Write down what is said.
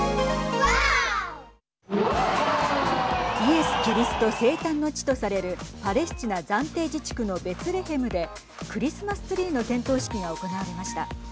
イエスキリスト生誕の地とされるパレスチナ暫定自治区のベツレヘムでクリスマスツリーの点灯式が行われました。